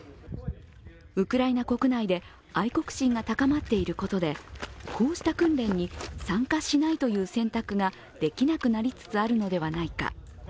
ウクライナ国内で愛国心が高まっていることでこうした訓練に参加しないという選択ができなくなりつつあるのではないか。